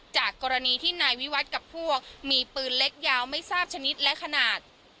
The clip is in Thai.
จากกรณีที่นายวิวัตรกับพวกมีปืนเล็กยาวไม่ทราบชนิดและขนาด